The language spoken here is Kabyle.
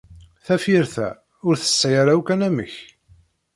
Tafyirt-a ur tesɛi ara akk anamek.